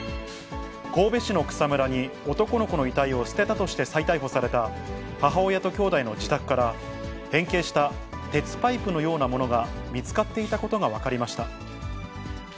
神戸市の草むらに男の子の遺体を捨てたとして再逮捕された、母親ときょうだいの自宅から、変形した鉄パイプのようなものが見つかっていたことが分かりました。